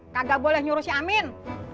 kagak boleh nyuruh si amin